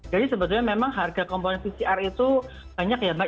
jadi sebetulnya memang harga komponen pcr itu banyak ya mbak